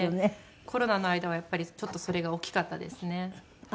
コロナの間はやっぱりちょっとそれが大きかったですね。